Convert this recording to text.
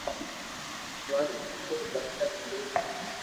ون اُو تو بدچلن ٻئير ھي